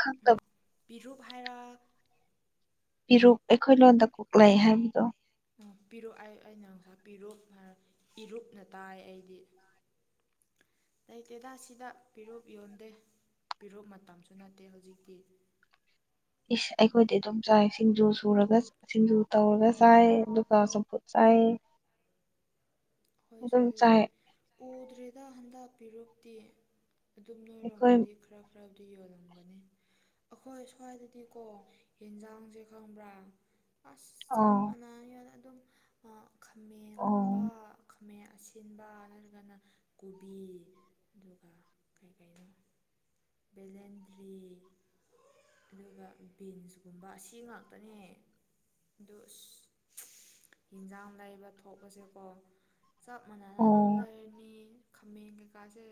ꯈꯠꯇꯣ ꯄꯤꯔꯨꯞ ꯍꯥꯏꯔ ꯄꯤꯔꯨꯛ ꯑꯩꯈꯣꯏ ꯂꯣꯟꯗ ꯀꯣꯛꯂ ꯍꯥꯏꯕꯗꯣ ꯄꯤꯔꯛ ꯑꯩ ꯑꯩꯅ ꯉꯪꯁꯥ ꯄꯤꯔꯨꯞ ꯏꯔꯨꯞꯅ ꯇꯥꯏ ꯑꯩꯗꯤ ꯂꯩꯇꯦꯗꯥ ꯁꯤꯗ ꯐꯤꯔꯣꯞ ꯌꯣꯟꯗꯦ ꯄꯤꯔꯛ ꯃꯇꯝꯁꯨ ꯅꯠꯇꯦ ꯍꯧꯖꯤꯛꯇꯤ ꯏꯁ ꯑꯩꯈꯣꯏꯗꯤ ꯑꯗꯨꯝ ꯆꯥꯏ ꯁꯤꯡꯖꯨ ꯁꯨꯔꯒ ꯁꯤꯡꯖꯨ ꯇꯧꯔꯒ ꯆꯥꯏ ꯑꯗꯨꯒ ꯆꯝꯐꯨꯠ ꯆꯥꯏ [inaudible] ꯍꯣꯏ ꯑꯗꯨꯝ ꯁ꯭ꯋꯥꯏꯗꯗꯤ ꯆꯥꯏ ꯎꯗ꯭ꯔꯦꯗ ꯍꯟꯗꯛꯄꯤꯔꯨꯞꯇꯤ ꯑꯗꯨꯝ ꯑꯩꯈꯣꯏ ꯅꯣꯏꯔꯣꯝꯗꯗꯤ ꯈꯔ ꯈꯔꯕꯨꯗꯤ ꯌꯣꯜꯂꯝꯒꯅꯤ ꯑꯩꯈꯣꯏ ꯁ꯭ꯋꯥꯏꯗꯗꯤꯀꯣ ꯌꯦꯟꯁꯥꯡꯁꯦ ꯈꯪꯕ꯭ꯔꯥ ꯑꯁ ꯆꯞ ꯑꯥ ꯃꯥꯟꯅꯅ ꯑꯗꯨꯝ ꯈꯥꯃꯦꯟꯒꯨꯝꯕ ꯑꯣ ꯈꯥꯃꯦꯟ ꯑꯁꯤꯟꯕ ꯅꯠꯇ꯭ꯔꯒꯅ ꯀꯣꯕꯤ ꯑꯗꯨꯒ ꯀꯔꯤ ꯀꯩꯅꯣ ꯕꯂꯦꯟꯗꯔꯤ ꯑꯗꯨꯒ ꯕꯤꯟꯁꯀꯨꯝꯕ ꯑꯁꯤ ꯉꯥꯛꯇꯅꯦ ꯑꯗꯨ ꯌꯦꯟꯖꯥꯡ ꯂꯩꯕ ꯊꯣꯛꯄꯁꯦꯀꯣ ꯆꯞ ꯃꯥꯟꯅꯅ ꯑꯗꯨꯝ ꯑꯣ ꯂꯩꯔꯅꯤ ꯈꯥꯃꯦꯟ ꯀꯩꯀꯥꯁꯦ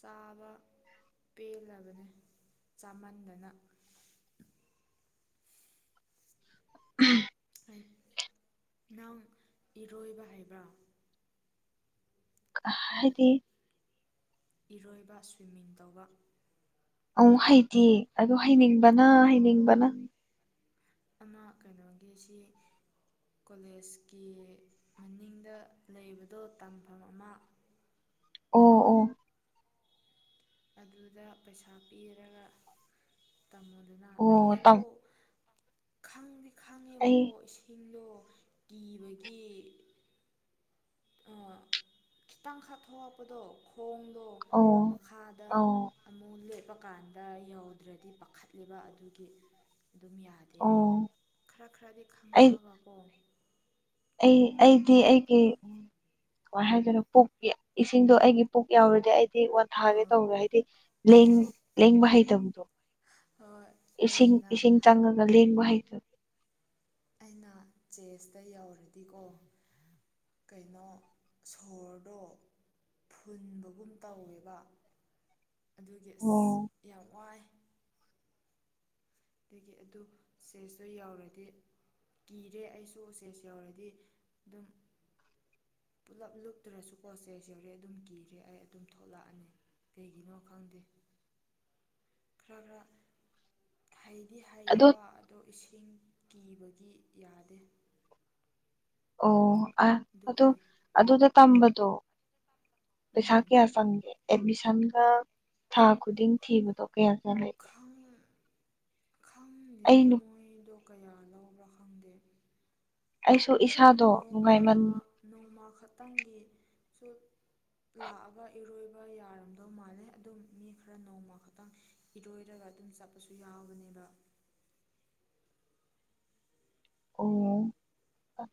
ꯆꯥꯕ ꯄꯦꯜꯂꯕꯅꯦ ꯆꯥꯃꯟꯗꯅ ꯎ ꯅꯪ ꯏꯔꯣꯏꯕ ꯍꯥꯏꯕ꯭ꯔꯥ ꯍꯥꯏꯗꯤ ꯏꯔꯣꯏꯕ ꯁ꯭ꯋꯤꯝꯃꯤꯡ ꯇꯧꯕ ꯑꯪ ꯍꯩꯇ ꯑꯣ ꯍꯩꯅꯤꯡꯕꯅ ꯍꯩꯅꯤꯡꯕꯅ ꯑ ꯀꯩꯅꯣꯒꯤꯁꯤ ꯀꯣꯂꯦꯖꯀꯤ ꯃꯅꯤꯡꯗ ꯂꯩꯕꯗꯣ ꯇꯝꯐꯝ ꯑꯃ ꯑꯣ ꯑꯣ ꯑꯗꯨꯗ ꯄꯩꯁꯥ ꯄꯤꯔꯒ ꯇꯥꯃꯣꯗꯨꯅ ꯑꯣ ꯇꯝ ꯑꯩꯗꯣ ꯈꯪꯗꯤ ꯑꯩ ꯈꯪꯉꯦꯕꯀꯣ ꯏꯁꯤꯡꯗꯣ ꯀꯤꯕꯒꯤ ꯈꯤꯇꯪ ꯈꯥꯊꯣꯛ ꯍꯥꯛꯄꯗꯣ ꯊꯣꯡꯗꯣ ꯑꯣ ꯃꯈꯥꯗ ꯑꯣ ꯑꯃꯨꯛ ꯂꯦꯞꯂꯛ ꯀꯥꯟꯗ ꯌꯧꯗ꯭ꯔꯗꯤ ꯄꯥꯈꯠꯂꯤꯕ ꯑꯗꯨꯒꯤ ꯑꯗꯨꯝ ꯌꯥꯗꯦ ꯑꯩ ꯑꯣ ꯈꯔ ꯈꯔꯗꯤ ꯑꯩ ꯈꯪꯉꯛꯑꯒ ꯀꯣꯡꯅꯤ ꯑꯩ ꯑꯩꯗꯤ ꯑꯩꯒꯤ ꯀꯃꯥꯏꯅ ꯍꯥꯏꯗꯣꯏꯅꯣ ꯄꯨꯛ ꯏꯁꯤꯡꯗꯣ ꯑꯩꯒꯤ ꯄꯨꯛ ꯌꯥꯎꯔꯗꯤ ꯑꯩ ꯗꯤ ꯋꯥꯟꯊꯥꯒꯦ ꯑꯥ ꯇꯧꯔꯦ ꯍꯥꯏꯗꯤ ꯂꯦꯡꯕ ꯍꯩꯇꯕꯗꯣ ꯍꯣꯏ ꯏꯁꯤꯡ ꯑꯩꯁꯤꯅ ꯏꯁꯤꯡ ꯆꯪꯉꯒ ꯂꯦꯡꯕ ꯍꯩꯇꯕꯦ ꯑꯩꯅ ꯆꯦꯁꯇ ꯌꯧꯔꯗꯤꯀꯣ ꯀꯩꯅꯣ ꯁꯣꯔꯗꯣ ꯐꯨꯟꯕꯒꯨꯝ ꯇꯧꯋꯦꯕ ꯑꯗꯨꯒꯤ ꯑꯁ ꯑꯣ ꯌꯥꯝ ꯋꯥꯏ ꯑꯗꯒꯤ ꯑꯗꯨ ꯆꯦꯁꯇ ꯌꯥꯎꯔꯗꯤ ꯀꯤꯔꯦ ꯑꯩꯁꯨ ꯎꯆ ꯎꯆꯦꯁ ꯌꯧꯔꯗꯤ ꯑꯗꯨꯝ ꯄꯨꯂꯞ ꯂꯨꯞꯇ꯭ꯔꯁꯨꯀꯣ ꯆꯩꯦꯁꯧꯔꯦ ꯑꯗꯨꯝ ꯀꯤꯔꯦ ꯑꯩ ꯑꯗꯨꯝ ꯊꯣꯛꯂꯛꯑꯅꯤ ꯀꯩꯒꯤꯅꯣ ꯈꯪꯗꯦ ꯈꯔ ꯈꯔ ꯍꯩꯗꯤ ꯍꯩꯌꯦꯕ ꯑꯗꯣ ꯏꯁꯤꯡ ꯀꯤꯕꯒꯤ ꯌꯥꯗꯦ ꯑꯣ ꯑ ꯑꯗꯨ ꯑ ꯀꯩ ꯑꯗꯨꯗ ꯇꯝꯕꯗꯣ ꯄꯩꯁꯥ ꯎꯝ ꯀꯌꯥ ꯆꯪꯒꯦ ꯑꯦꯠꯃꯤꯁꯟꯒ ꯊꯥ ꯈꯨꯗꯤꯡ ꯊꯤꯕꯗꯣ ꯀꯌꯥ ꯃ ꯈꯪ ꯑꯩꯅ ꯑꯗꯨ ꯀꯌꯥ ꯂꯧꯕ꯭ꯔꯥ ꯈꯪꯗꯦ ꯑꯩꯁꯨ ꯑꯗꯨꯝ ꯏꯁꯥꯗꯣ ꯅꯣꯡꯃ ꯅꯨꯡꯉꯥꯏꯃꯟ ꯅꯣꯡꯃ ꯈꯛꯇꯪꯒꯤ ꯁ ꯂꯥꯛꯑꯒ ꯏꯔꯣꯏꯕ ꯌꯥꯔꯝꯗꯧ ꯃꯥꯜꯂꯦ ꯑꯗꯨꯝ ꯃꯤ ꯈꯔ ꯅꯣꯡꯃ ꯈꯛꯇꯪ ꯏꯔꯣꯏꯔꯒ ꯑꯗꯨꯝ ꯆꯠꯄꯁꯨ ꯌꯥꯎꯕꯅꯦꯕ ꯎ ꯑ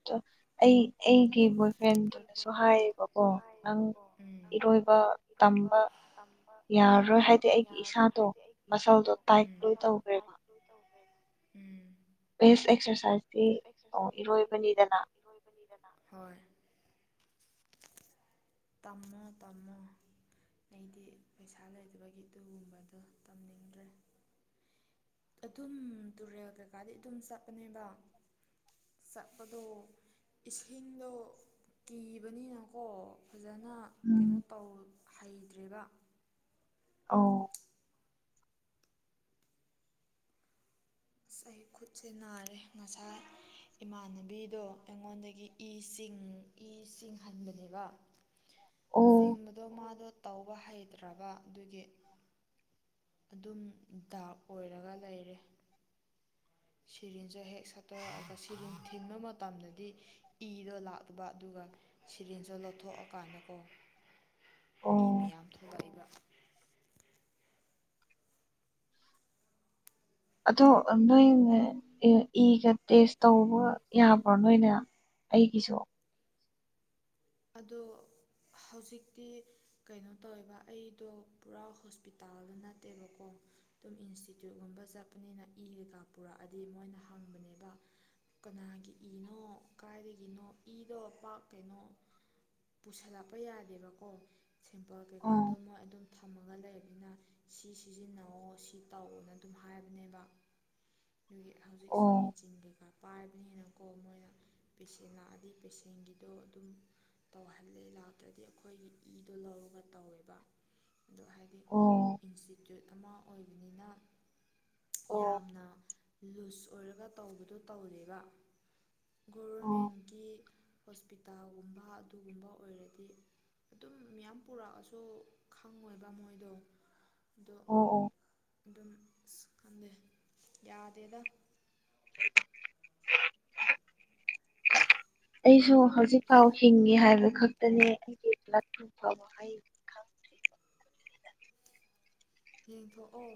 ꯑꯩ ꯑꯩꯒꯤ ꯕꯣꯏ ꯑꯩꯒꯤ ꯐ꯭ꯔꯦꯟꯗꯨꯅꯁꯨ ꯍꯥꯏꯌꯦꯕꯀꯣ ꯕꯣꯏꯐ꯭ꯔꯦꯟꯁꯨ ꯅꯪ ꯍꯥꯏꯌꯦꯕꯀꯣ ꯅꯪ ꯏꯔꯣꯏꯕ ꯏꯔꯣꯏꯕ ꯇꯝꯕ ꯇꯝꯕ ꯌꯥꯔꯔꯣꯏ ꯍꯥꯏꯗꯤ ꯑꯩꯒꯤ ꯌꯥꯔꯔꯣꯏ ꯏꯁꯥꯗꯣ ꯍꯥꯏꯗꯤ ꯑꯩꯒꯤ ꯃꯁꯜꯗꯣ ꯏꯁꯥꯗꯣ ꯇꯥꯏꯠ ꯂꯣꯏ ꯃꯁꯜꯗꯣ ꯇꯧꯈ꯭ꯔꯦꯕ ꯇꯥꯏꯠ ꯂꯣꯏ ꯕꯦꯁ ꯑꯦꯛꯁꯔꯁꯥꯏꯁꯇꯤ ꯎꯝ ꯑꯣ ꯏꯔꯣꯏꯕꯅꯤꯗꯅ [unintelligible] ꯇꯃꯣ ꯇꯃꯣ [unintelligible] ꯑꯩꯗꯤ ꯄꯩꯁꯥ ꯂꯩꯇꯕꯒꯤ ꯑꯗꯨꯒꯨꯝꯕꯗꯣ ꯇꯝꯅꯤꯡꯗ꯭ꯔꯦ ꯑꯗꯨꯝ ꯇꯨꯔꯦꯜ ꯀꯩꯀꯥꯗꯤ ꯑꯗꯨꯝ ꯆꯠꯄꯅꯦꯕ ꯆꯠꯄꯗꯣ ꯏꯁꯤꯡꯁꯤꯡꯗ ꯀꯤꯕꯅꯤꯅꯀꯣ ꯐꯖꯅ ꯀꯩꯅꯣ ꯎꯝ ꯇꯧ ꯍꯩꯇ꯭ꯔꯦꯕ ꯑ ꯑꯁ ꯑꯩ ꯈꯨꯠꯁꯦ ꯅꯥꯔꯦ ꯉꯁꯥ ꯏꯃꯥꯟꯅꯕꯤꯗꯣ ꯑꯩꯉꯣꯟꯗꯒꯤ ꯏ ꯆ ꯏ ꯆꯤꯡꯍꯟꯕꯅꯦꯕ ꯑꯣ ꯆꯤꯡꯕꯗꯣ ꯃꯥꯗꯣ ꯇꯧꯕ ꯍꯩꯇ꯭ꯔꯕ ꯑꯗꯨꯒꯤ ꯑꯗꯨꯝ ꯗꯥꯛ ꯑꯣꯏꯔꯒ ꯂꯩꯔꯦ ꯁꯤꯔꯤꯟꯁꯦ ꯍꯦꯛ ꯁꯠꯇꯣꯔꯛꯑꯒ ꯁꯔꯤꯟ ꯊꯤꯟꯕ ꯃꯇꯝꯗꯗꯤ ꯏꯗꯣ ꯂꯥꯛꯇꯕ ꯑꯗꯨꯒ ꯁꯤꯔꯤꯦꯟꯁꯨ ꯂꯧꯊꯣꯛꯑꯀꯥꯟꯗꯀꯣ ꯏꯅ ꯑꯣ ꯌꯥꯝ ꯊꯋꯥꯏꯕ ꯑꯗꯣ ꯅꯣꯏꯅꯦ ꯏꯒ ꯇꯦꯁ ꯇꯧꯕ ꯌꯥꯕ꯭ꯔꯣ ꯅꯣꯏꯅꯦ ꯑꯩꯒꯤꯁꯨ ꯑꯗꯣ ꯍꯧꯖꯤꯛꯇꯤ ꯀꯩꯅꯣ ꯇꯧꯋꯦꯕ ꯑꯩꯗꯣ ꯄꯨꯔꯥ ꯍꯣꯁꯄꯤꯇꯥꯜꯗ ꯅꯠꯇꯦꯕꯀꯣ ꯑꯗꯨꯝ ꯏꯟꯁꯇꯤꯇ꯭ꯌꯨꯠꯀꯨꯝꯕ ꯆꯠꯄꯅꯤꯅ ꯏꯔꯦꯀꯥ ꯄꯨꯔꯛꯑꯗꯤ ꯃꯣꯏꯅ ꯍꯪꯕꯅꯦꯕ ꯀꯅꯥꯒꯤ ꯏꯅꯣ ꯀꯥꯏꯗꯒꯤꯅꯣ ꯏꯗꯣ ꯄꯥꯛ ꯀꯩꯅꯣ ꯄꯨꯁꯤꯜꯂꯛꯄ ꯌꯥꯗꯦꯕꯀꯣ ꯁꯦꯝꯄꯜ ꯀꯩꯀꯥꯗꯣ ꯃ ꯑꯗꯨꯝ ꯊꯝꯃꯒ ꯂꯩꯕꯅꯤꯅ ꯁꯤ ꯁꯤꯖꯤꯟꯅꯑꯣ ꯁꯤ ꯇꯧꯑꯣꯅ ꯑꯗꯨꯝ ꯍꯥꯏꯕꯅꯦꯕ ꯍꯧꯖꯤꯛꯁꯦ ꯑꯣ ꯃꯦꯆꯤꯟ ꯀꯩꯀꯥ ꯄꯥꯏꯕꯅꯤꯅꯀꯣ ꯃꯣꯏꯅ ꯄꯦꯁꯦꯟ ꯂꯥꯛꯑꯗꯤ ꯄꯦꯁꯦꯟ ꯆꯦꯡꯒꯤꯗꯣ ꯑꯗꯨꯝ ꯇꯧꯍꯜꯂꯦ ꯂꯥꯛꯇ꯭ꯔꯗꯤ ꯑꯩꯈꯣꯏꯒꯤ ꯏꯗꯣ ꯂꯧꯔꯒ ꯇꯧꯋꯦꯕ ꯑꯣ ꯍꯥꯏꯗꯤ ꯑꯣ ꯏꯟꯁꯇꯤꯇ꯭ꯌꯨꯠ ꯑꯃ ꯑꯣꯏꯕꯅꯤꯅ ꯑꯣ ꯌꯥꯝꯅ ꯂꯨꯖ ꯑꯣꯏꯔꯒ ꯇꯧꯕꯗꯣ ꯇꯧꯔꯕ ꯑꯣ ꯒꯣꯚꯔꯃꯦꯟꯒꯤ ꯍꯣꯁꯄꯤꯇꯥꯜꯒꯨꯝꯕ ꯑꯗꯨꯒꯨꯝꯕ ꯑꯣꯏꯔꯗꯤ ꯑꯗꯨꯝ ꯃꯌꯥꯝ ꯄꯨꯔꯛꯑꯁꯨ ꯈꯪꯉꯣꯏꯕ ꯃꯣꯏꯗꯣ ꯑꯗꯣ ꯑꯣ ꯑꯣ ꯑꯗꯨꯝ ꯑꯁ ꯈꯪꯗꯦ ꯌꯥꯗꯦꯗ ꯍ ꯑꯩꯁꯨ ꯍꯧꯖꯤꯛꯐꯥꯎ ꯍꯤꯡꯉꯤ ꯍꯥꯏꯕ ꯈꯛꯇꯅꯦ ꯑꯩꯒꯤ ꯐꯥꯎꯦ ꯎ ꯌꯦꯡꯊꯣꯛꯑꯣ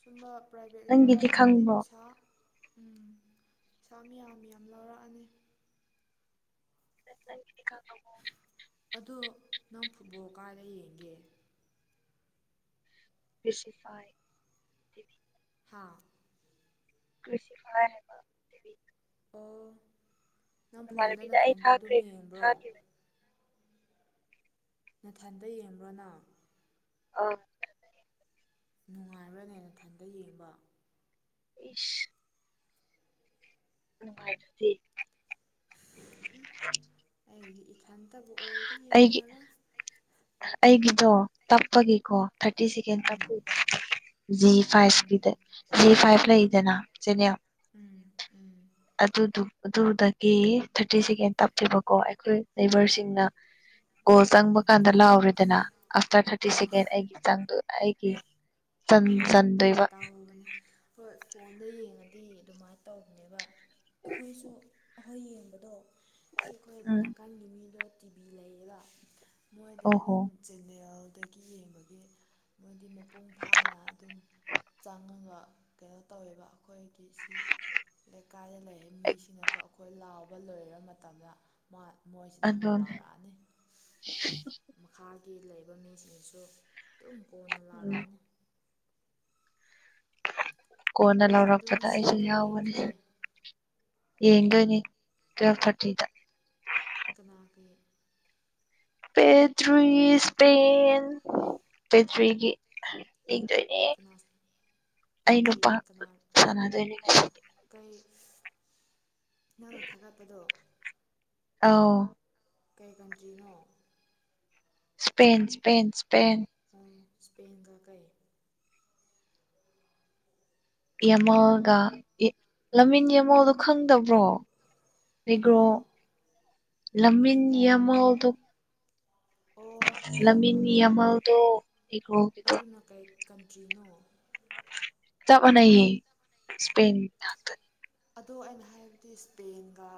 ꯁꯨꯝꯕ ꯄ꯭ꯔꯥꯏꯚꯦꯠ ꯀꯩꯀꯥꯗ ꯅꯪꯒꯤꯗꯤ ꯂꯥꯛꯑꯗꯤ ꯈꯪꯕ꯭ꯔꯣ ꯄꯩꯁꯥ ꯎꯝ ꯄꯩꯁꯥ ꯃꯌꯥꯝ ꯌꯥꯝ ꯂꯧꯔꯛꯑꯅꯤ [unintelligible] ꯑꯗ ꯅꯪ ꯐꯨꯠꯕꯣꯜ ꯀꯥꯏꯗ ꯌꯦꯡꯒꯦ ꯁꯤꯐꯥꯏ ꯍꯥꯥ ꯀꯁꯤꯤ ꯐꯔꯦ ꯑꯣ ꯅꯪ ꯐꯣꯟꯗ ꯔꯕꯤꯗ ꯑꯩ ꯅꯊꯟꯗ ꯑꯗꯨꯝ ꯊꯥꯈ꯭ꯔꯦ ꯊꯥ ꯌꯦꯡꯕ꯭ꯔꯣ ꯅꯊꯟꯕ ꯌꯦꯡꯕ꯭ꯔꯣꯅ ꯑ ꯅꯨꯡꯉꯥꯏꯕ꯭ꯔꯅꯦ ꯃꯊꯟꯇ ꯌꯦꯡꯕ ꯏꯁ ꯅꯨꯡꯉꯥꯏ ꯑꯩꯗꯤ ꯏꯊꯟꯗꯕꯕꯨ ꯑꯣꯏ ꯑꯩꯒꯤ ꯑꯩꯒꯤꯗꯣ ꯇꯞꯄꯒꯤꯀꯣ ꯊꯥꯔꯇꯤ ꯁꯦꯀꯦꯟꯔꯇ ꯎꯝ ꯖꯤ ꯎꯝ ꯐꯥꯏꯚꯀꯤꯗ ꯖꯤ ꯐꯥꯏꯚ ꯂꯩ ꯅꯥ ꯆꯦꯅꯤꯌ ꯎꯝ ꯎꯝ ꯑꯗꯨꯗꯨ ꯑꯗꯨꯗꯒꯤ ꯊꯥꯔꯇꯤ ꯁꯦꯀꯦꯟ ꯇꯞꯄꯦꯕꯀꯣ ꯑꯩꯈꯣꯏ ꯅꯦꯕꯔꯁꯤꯡꯅ ꯒꯣꯜ ꯎꯝ ꯆꯪꯕ ꯀꯥꯟꯗ ꯂꯥꯎꯔꯦꯗꯅ ꯑꯥꯐꯇꯔ ꯊꯥꯔꯇꯤ ꯑ ꯁꯦꯀꯦꯟ ꯑꯩꯒꯤ ꯆꯥꯡꯗ ꯑꯩꯒꯤ ꯆꯟ ꯑ ꯆꯟꯗꯣꯏꯕ ꯇꯒꯅꯦ ꯍ ꯐꯣꯟꯗ ꯌꯦꯡꯉꯗꯤ ꯑꯗꯨꯃꯥꯏꯅ ꯇꯧꯕꯅꯦꯕ ꯑꯩꯈꯣꯏꯁꯨ ꯑꯩꯈꯣꯏ ꯌꯦꯡꯕꯗꯣ ꯁꯤ ꯑꯩꯈꯣꯏ ꯎꯝ ꯅꯥꯀꯟ ꯅꯨꯃꯤꯗ ꯇꯤꯚꯤ ꯂꯩꯌꯦꯕ ꯃꯣꯏꯗ ꯑꯣꯍꯣ ꯑꯗꯨꯝ ꯆꯦꯟꯅꯦꯜꯗꯒꯤ ꯌꯦꯡꯕꯒꯤ ꯃꯣꯏꯗꯤ ꯃꯄꯨꯡ ꯐꯥꯅ ꯑꯗꯨꯝ ꯆꯪꯉꯒ ꯀꯩꯅꯣ ꯇꯧꯋꯦꯕ ꯑꯩꯈꯣꯏꯒꯤ ꯁꯤ ꯂꯩꯀꯥꯏꯗ ꯂꯩꯔꯤ ꯃꯤꯁꯤꯡꯅꯀꯣ ꯑꯩꯈꯣꯏ ꯂꯥꯎꯕ ꯂꯣꯏꯔ ꯃꯇꯝꯗ ꯃꯥ ꯃꯣꯏꯁꯤꯗ ꯑꯃꯨꯛ ꯑꯗꯨꯅꯦ ꯂꯥꯎꯔꯛꯑꯅꯤ ꯃꯈꯥ ꯒꯤ ꯂꯩꯕ ꯃꯤꯁꯤꯡꯁꯤꯁꯨ ꯑꯗꯨꯝ ꯀꯣꯟꯅ ꯎꯝ ꯂꯥꯎꯔꯛꯑꯅꯤ ꯀꯣꯟꯅ ꯑꯗꯣ ꯂꯧꯔꯛꯄꯗ ꯑꯩꯁꯨꯦ ꯉꯁꯤꯗꯤ ꯌꯥꯎꯕꯅꯤ ꯌꯦꯡꯗ꯭ꯔꯦ ꯌꯦꯗꯣ ꯏꯅꯤ ꯇꯋꯦꯜ ꯊꯥꯔꯇꯤꯗ ꯀꯅꯥ ꯀꯦ ꯄꯦꯗ꯭ꯔꯤ ꯏꯁꯄꯦꯟ ꯄꯦꯗ꯭ꯔꯤꯒꯤ ꯌꯦꯡꯗꯣꯏꯅꯦ ꯀꯅꯥ ꯑꯩ ꯕꯦꯇ꯭ꯔꯤ ꯅꯨꯄꯥ ꯀꯅꯥ ꯁꯥꯟꯅꯗꯣꯏꯅꯦ ꯑꯣ ꯉꯁꯤꯗꯤ ꯀꯩ ꯅꯪꯅ ꯊꯥꯒꯠꯄꯗꯣ ꯑꯥꯎ ꯀꯩ ꯀꯟꯗ꯭ꯔꯤꯅꯣ ꯁꯄ ꯁꯄ ꯁꯄ ꯏꯁꯄꯦꯟꯒ ꯀꯩ ꯌꯦꯃꯜꯒ ꯂꯝꯃꯤꯟ ꯌꯦꯡꯃꯜꯗꯣ ꯈꯪꯗꯕ꯭ꯔꯣ ꯑꯦꯃꯣ ꯑꯩꯒ꯭ꯔꯣ ꯑꯦꯃꯣ ꯂꯝꯃꯤꯟꯗ ꯑꯣ ꯂꯝꯃꯤꯟ ꯈꯪꯉꯦ ꯑꯃꯜꯗꯣ ꯑꯦ꯭ꯔꯣꯒꯤꯗ ꯑꯗꯨꯅ ꯀꯩ ꯀꯟꯇ꯭ꯔꯤꯅꯣ ꯆꯕꯅꯌꯦꯌꯦ ꯏꯁꯄꯅꯤ ꯑꯗꯣ ꯑꯩꯅ ꯍꯥꯏꯕꯗꯤ ꯏꯁꯄꯦꯟꯒ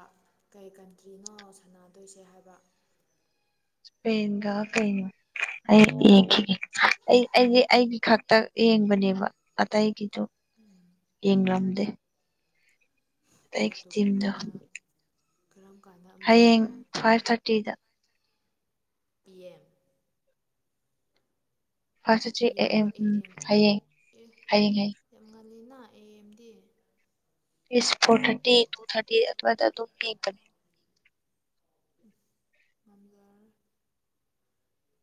ꯀꯩ ꯀꯟꯇ꯭ꯔꯤꯅꯣ ꯁꯥꯟꯅꯗꯣꯏꯁꯦ ꯍꯥꯏꯕ ꯁꯄꯟꯒ ꯀꯩꯅ ꯑꯩ ꯌꯦꯡꯈꯤꯒꯦ ꯑꯩ ꯑꯩꯗꯤ ꯑꯩꯒꯤ ꯈꯛꯇ ꯌꯦꯡꯕꯅꯦꯕ ꯑꯇꯩꯒꯤꯗꯨꯣ ꯌꯦꯡꯝꯗꯦ ꯇꯒꯤ ꯇꯤꯝꯗ ꯄꯣꯔꯇꯨꯒꯜꯒꯤꯅ ꯀꯔꯝ ꯀꯥꯟꯗ ꯑꯃꯨꯛ ꯍꯌꯦꯡ ꯂꯩꯕ ꯐꯥꯏꯚ ꯊꯥꯔꯇꯤꯗ ꯄꯤ ꯑꯦꯝ ꯐ ꯄꯤ ꯆꯠꯠꯇ꯭ꯔꯤ ꯑꯦꯝꯔꯣ ꯑꯦ ꯎ ꯑꯦꯝ ꯍꯌꯦꯡ ꯍꯌꯦꯡ ꯍꯌꯦꯡ ꯂꯤꯅꯥ ꯑꯦ MD four thirty two thirty ꯑ ꯑꯗꯨꯝ ꯃꯝꯕꯔ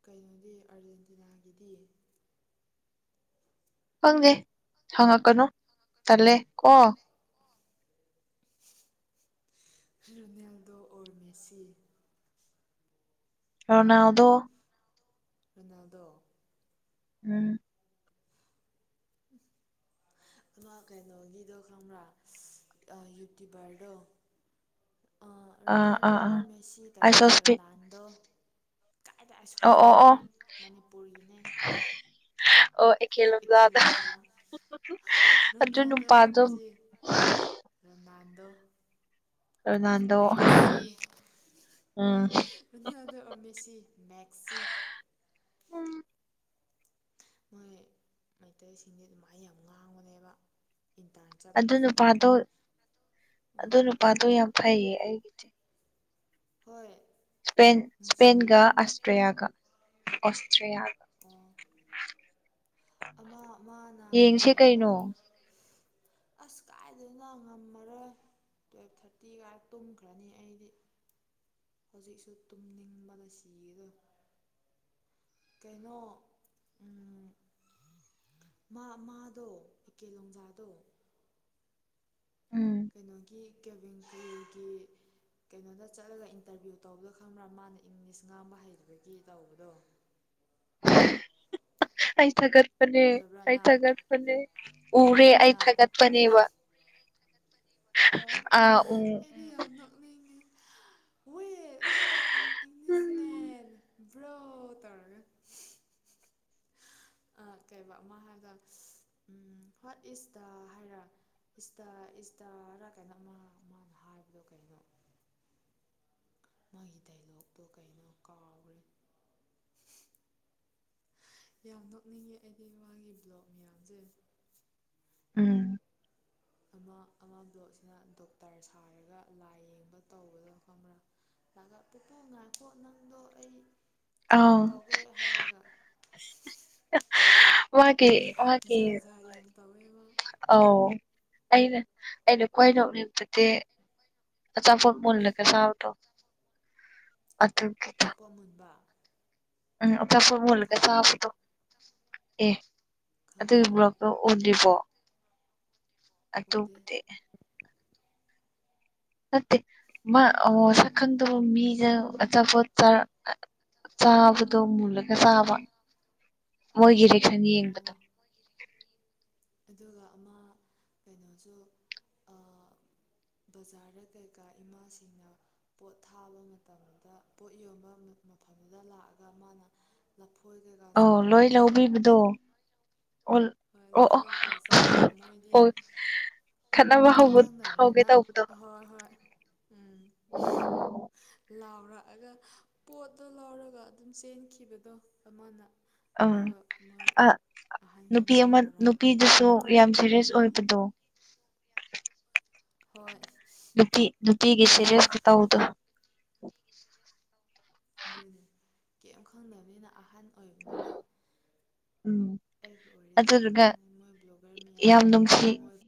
ꯀꯩꯅꯣꯗꯤ ꯑꯥꯔꯖꯦꯟꯇꯤꯅꯥꯒꯤꯗꯤ ꯈꯪꯗꯦ ꯍꯪꯉꯛꯀꯅꯨ ꯇꯜꯂꯦ ꯀꯣ ꯔꯨꯅꯦꯜꯗꯣ ꯑꯣꯔ ꯃꯦꯁꯤ ꯔꯅꯥꯎꯗ ꯑꯗ ꯎꯝ ꯎꯝ ꯀꯩꯅꯣꯒꯤꯗꯣ ꯀꯔꯥ ꯌꯨꯇ꯭ꯌꯨꯕꯔꯗꯣ ꯑ ꯑꯥ ꯔꯣꯅꯥꯜꯗꯣ ꯑꯥ ꯑꯥ ꯑꯣꯔ ꯃꯦꯁꯤ ꯇ ꯑꯥꯏꯁ ꯍꯣꯁꯄꯤꯠ ꯔꯣꯅꯥꯜꯗꯣ ꯀꯗꯥꯥꯏꯗ ꯑꯩꯥꯏ ꯑꯣ ꯁꯣꯁ ꯑꯣ ꯑꯣ ꯄꯤꯠꯅꯣ ꯃꯅꯤꯄꯨꯔꯒꯤꯅꯦ ꯏꯀꯦ ꯈꯂꯖꯗ ꯂꯣꯡꯖꯥ ꯑꯗꯨꯖ ꯅꯨ ꯔꯣꯅꯥꯜꯗꯣ ꯑꯣꯔ ꯄꯥꯖꯣ ꯑꯗꯨꯣ ꯑꯗꯨꯣꯅꯥꯟꯗ ꯎꯅꯅ ꯑꯃꯦꯁꯁꯤ ꯃꯦꯦꯛꯁꯤ ꯃꯣꯏ ꯃꯩꯇꯩꯁꯤꯡꯁ ꯑꯗꯨꯃꯥꯏꯅ ꯌꯥꯝ ꯉꯥꯡꯕꯅꯦꯕ ꯏꯟꯇꯔꯟ ꯑꯗꯨ ꯆꯠꯄꯗꯨꯁꯨ ꯅꯨꯄꯥꯗꯣ ꯈꯪꯕ꯭ꯔꯥ ꯑꯗꯨ ꯎꯝ ꯅꯨꯄꯥꯗꯣ ꯌꯥꯝ ꯐꯩꯌꯦ ꯑꯩꯒꯤꯗꯤ ꯍꯣꯏ ꯁꯄ ꯅꯨꯡꯁꯤꯌꯦ ꯁꯄꯦꯟꯒ ꯑꯁꯇ꯭ꯔꯦꯂꯤꯌꯥꯒ ꯌꯥꯒ ꯑꯣ ꯑꯃ ꯑꯃꯅ ꯀꯩꯅꯣꯗ ꯀꯩꯅꯣ ꯑꯁ ꯀꯥꯏꯗꯅ ꯉꯝꯃꯔꯣꯏ ꯇꯨꯋꯦꯜꯞ ꯊꯥꯔꯇꯤꯒ ꯇꯨꯝꯈ꯭ꯔꯅꯤ ꯑꯩꯗꯤ ꯍꯧꯖꯤꯛꯁꯨ ꯇꯨꯝꯅꯤꯡꯕꯅ ꯁꯤꯗꯣ ꯀꯩꯅꯣ ꯃꯥꯗꯣ ꯏꯀꯦ ꯂꯣꯡꯖꯥꯗꯣ ꯎꯝ ꯀꯩꯅꯣꯒꯤ ꯀꯦꯚꯦꯟ ꯀꯦꯜꯒꯤ ꯀꯩꯅꯣꯗ ꯆꯠꯂꯒ ꯏꯟꯇꯔꯚꯤꯌꯨ ꯇꯧꯕꯗꯣ ꯈꯪꯕ꯭ꯔꯥ ꯃꯥꯅ ꯏꯪꯂꯤꯁ ꯉꯥꯡꯕ ꯍꯩꯕꯒꯤ ꯇꯧꯕꯗꯣ ꯑ ꯊꯥꯒꯠꯄꯅꯦ ꯎꯗꯕ꯭ꯔꯥ ꯑꯩ ꯅꯪ ꯊꯥꯒꯠꯄꯅꯦ ꯎꯔꯦ ꯊꯥꯔꯛꯄ꯭ꯔꯥ ꯑꯩ ꯅꯪ ꯊꯥꯒꯠꯄꯅꯦꯕ ꯑꯣ ꯑꯥ ꯎ ꯎ ꯑꯩꯗꯤ ꯌꯥꯝ ꯅꯣꯛꯅꯤꯡꯉꯤ ꯋꯦ ꯎꯝ ꯏꯕ꯭ꯔ ꯇꯥꯔꯒ ꯀꯩꯕ ꯑꯃ ꯍꯥꯏꯒ ꯎꯝ ꯍꯠ ꯏꯁ ꯗ ꯍꯥꯏꯔ ꯏꯁꯇꯥ ꯏꯁꯇꯥꯔ ꯀꯩꯅꯣ ꯑꯃ ꯑꯃꯅ ꯍꯥꯏꯕꯗꯣ ꯀꯩꯅꯣ ꯃꯥꯒꯤ ꯗꯥꯏꯂꯣꯛꯇꯣ ꯀꯩꯅꯣ ꯀꯥꯎꯈ꯭ꯔꯦ ꯌꯥꯝ ꯅꯣꯛꯅꯤꯡꯉꯦ ꯑꯩꯒꯤ ꯃꯥꯒꯤ ꯕ꯭ꯂꯣꯛ ꯃꯌꯥꯝꯁꯦ ꯎꯝ ꯑꯃ ꯑꯃ ꯕ꯭ꯂꯣꯛꯁꯤꯅ ꯗꯣꯛꯇꯔ ꯁꯥꯔꯒ ꯂꯥꯏ ꯌꯦꯡꯕ ꯇꯧꯕꯗꯣ ꯈꯪꯕ꯭ꯔꯥ ꯂꯥꯛꯑꯒ ꯄꯨꯄꯨ ꯉꯥꯏꯈꯣ ꯅꯪꯗꯣ ꯑꯩ ꯆꯦꯛꯑꯞ ꯑꯥꯎ ꯇꯧꯒꯦ ꯍꯥꯏꯔꯒ ꯋꯥꯦ ꯋꯥꯦ ꯖꯥꯠ ꯖꯥꯠ ꯌꯥꯝ ꯇꯧꯋꯦ ꯃꯥ ꯑ ꯑꯩꯅ ꯑꯩꯅ ꯀ꯭ꯋꯥꯣꯏꯅ ꯎꯅꯤꯡꯖꯗꯤꯦ ꯑꯆꯥ ꯐꯨꯠꯃꯜꯂ ꯀꯩ ꯁꯥꯥꯎꯗꯣ ꯆꯄꯣꯠ ꯃꯨꯟꯕ ꯎꯝ ꯆꯐ ꯃꯨꯜꯂꯒ ꯆꯥꯕꯗꯣ ꯑꯦ ꯑꯗꯨꯒꯤ ꯈꯪꯗꯦ ꯕ꯭ꯂꯣꯛꯇꯣ ꯑꯣꯔꯤꯕꯣ ꯎꯗꯦ ꯑꯊꯗꯤ ꯅꯠꯇꯦ ꯁꯛꯈꯪꯗ ꯃꯤ ꯑꯆꯥꯄꯣꯠ ꯆꯕꯗꯣ ꯃꯂꯒ ꯆꯕ ꯃꯣꯏꯒꯤꯔ ꯌꯦꯕ ꯑꯣ ꯑꯗꯨꯒ ꯑꯃ ꯀꯩꯅꯣꯁꯨ ꯕꯖꯥꯔꯗ ꯀꯩꯀꯥ ꯏꯃꯥꯁꯤꯡꯅ ꯄꯣꯠ ꯊꯥꯕ ꯃꯇꯝꯗ ꯄꯣꯠ ꯌꯣꯟꯕ ꯃꯐꯝꯗꯨꯗ ꯂꯥꯛꯑꯒ ꯃꯥꯅ ꯀꯩꯀꯥ ꯑꯣ ꯆꯥꯕꯗꯣ ꯂꯣꯏ ꯈꯪꯕ꯭ꯔꯥ ꯂꯧꯕꯤꯕꯗꯣ ꯍꯣꯏ ꯂꯐꯣꯏ ꯑꯣ ꯀꯩꯀꯥ ꯆꯥꯔꯒ ꯑꯣ ꯍ ꯈꯪꯅꯕꯅꯤꯅ ꯍꯣꯏ ꯍꯣꯏ ꯎꯝ ꯂꯥꯎꯔꯥ ꯑ ꯄꯣꯠꯇꯣ ꯂꯧꯔꯒ ꯑꯗꯨꯝ ꯆꯦꯟꯈꯤꯕꯗꯣ ꯑꯃꯅ ꯑꯪ ꯑꯗꯨꯒꯞ ꯃꯣꯏ ꯑ ꯅꯨꯄꯤ ꯑꯍꯟꯁꯤꯡꯅ ꯑꯃ ꯂꯥꯎꯔꯛꯑꯒ ꯈꯣꯠꯄ ꯅꯨꯄꯤꯗꯨꯁꯨ ꯇꯧꯕꯗꯣ ꯑꯩꯗꯤ ꯌꯥꯝ ꯁꯦꯔꯤꯌꯁ ꯅꯛꯅꯤꯡ ꯑꯣꯏꯕꯗꯣ ꯍꯣꯏ ꯊꯒꯤ ꯁꯤꯦꯔꯤꯁ ꯇ ꯍꯗ ꯑꯗꯨꯅꯤ ꯀꯔꯤꯝ ꯈꯪꯗꯕꯅꯤꯅ ꯑꯍꯥꯟ ꯑꯣꯏꯕꯅꯤꯅ ꯎꯝ ꯑꯩꯒꯤ ꯑꯣꯏꯔꯦ ꯑꯗꯨꯝ ꯑꯗꯨꯗꯨꯒ ꯈꯪꯉꯦ ꯃꯣꯏ ꯕ꯭ꯂꯣꯒꯔ ꯌꯥꯝ ꯃꯌꯥꯝꯗꯤ ꯅꯨꯡꯁꯤ ꯃꯣꯏ